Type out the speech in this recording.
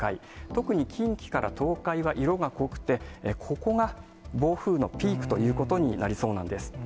特に近畿から東海は色が濃くて、ここが暴風のピークということになりそうなんです。